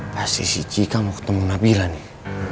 pas si cika mau ketemu nabila nih